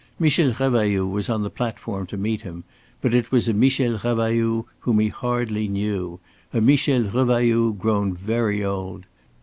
Michel Revailloud was on the platform to meet him, but it was a Michel Revailloud whom he hardly knew, a Michel Revailloud grown very old.